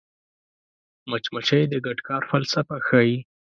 مچمچۍ د ګډ کار فلسفه ښيي